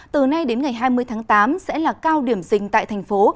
từ nay đến ngày hai mươi tháng tám sẽ là cao điểm dình tại thành phố